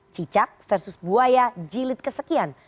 cicak versus buaya jilid kesekian